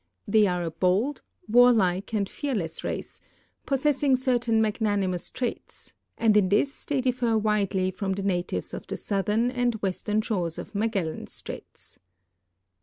They are a bold, warlike, and fearless race; jiossessing certain magnanimous traits, and in this they difler widely from the natives of the soutlu>ru and western shores of Magellan straits."